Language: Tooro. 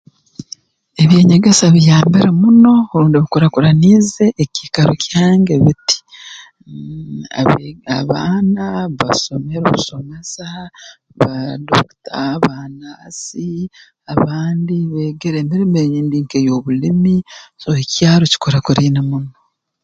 Eby'enyegesa biyambire muno rundi bikurakuraniize ekiikaro kyange biti mmh abe abaana bbasomere obusomesa baadokita baanaasi abandi beegere emirimo eyindi nk'ey'obulimi so ekyaro kikurakuraine muno